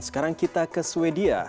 sekarang kita ke sweden